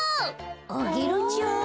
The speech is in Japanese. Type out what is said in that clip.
アゲルちゃん？あっ。